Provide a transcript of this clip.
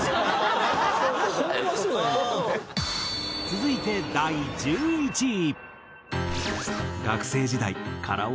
続いて第１１位。